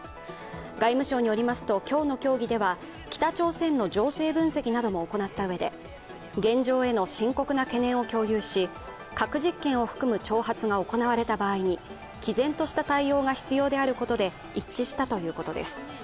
外務省によりますと、今日の協議では、北朝鮮の情勢分析なども行ったうえで現状への深刻な懸念を共有し核実験を含む挑発が行われた場合に毅然とした対応が必要であることで一致したということです。